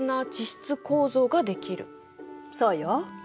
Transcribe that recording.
そうよ。